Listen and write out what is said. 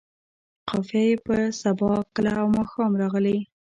قافیه یې په سبا، کله او ماښام راغلې.